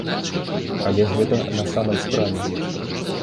Але гэта на самай справе.